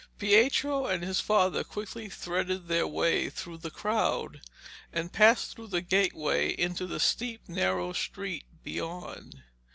Pietro and his father quickly threaded their way through the crowd, and passed through the gateway into the steep narrow street beyond.